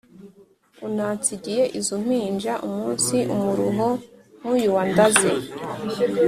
Unansigiye izo mpinja Umunsi umuruho nk’uyu Wandaze